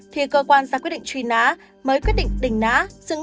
thì cơ quan ra quyết định truy ná mới quyết định đỉnh ná dừng ngay việc truy ná lại